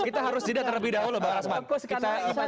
kita harus didatang lebih dahulu pak rasman